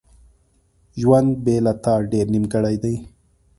ژوند بیله تا ډیر نیمګړی دی.